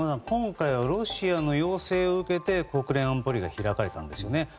今回はロシアの要請を受けて国連安保理が開かれたんですよね。